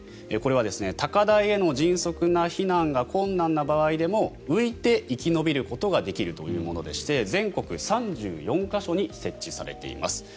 これは高台への迅速な避難が困難な場合でも浮いて生き延びることができるということで全国３４か所に設置されています。